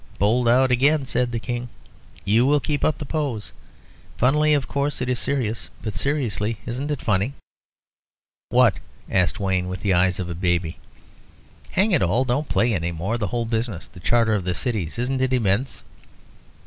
"Bowled out again," said the King. "You will keep up the pose. Funnily, of course, it is serious. But seriously, isn't it funny?" "What?" asked Wayne, with the eyes of a baby. "Hang it all, don't play any more. The whole business the Charter of the Cities. Isn't it immense?"